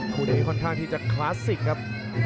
คู่นี้ค่อนข้างที่จะคลาสสิกครับ